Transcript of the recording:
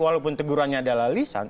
walaupun tegurannya adalah lisan